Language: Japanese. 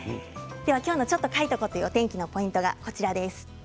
今日の「ちょっと書いとこ！」というお天気のポイントがこちらです。